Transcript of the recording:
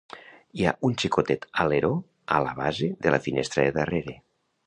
Hi ha un xicotet aleró a la base de la finestra de darrere.